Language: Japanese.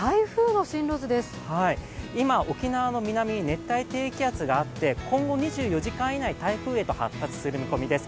今、沖縄の南に熱帯低気圧があって今後２４時間以内に台風へと発達する見込みです